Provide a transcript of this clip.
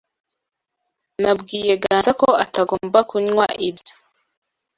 Nabwiye Ganza ko atagomba kunywa ibyo.